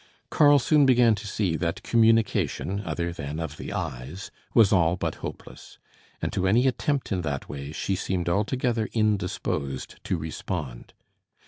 Karl soon began to see that communication, other than of the eyes, was all but hopeless; and to any attempt in that way she seemed altogether indisposed to respond.